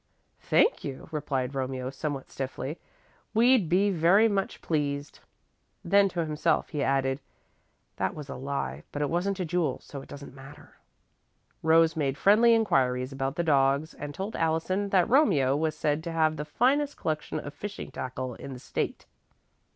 "Thank you," replied Romeo, somewhat stiffly. "We'd be very much pleased." Then to himself, he added: "That was a lie, but it wasn't to Jule, so it doesn't matter." Rose made friendly inquiries about the dogs and told Allison that Romeo was said to have the finest collection of fishing tackle in the State.